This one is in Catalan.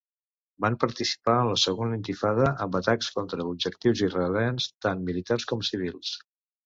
Van participar en la segona intifada amb atacs contra objectius israelians, tant militars com civils.